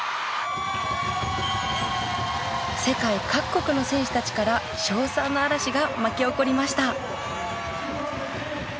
世界各国の選手たちから称賛の嵐が巻き起こりました。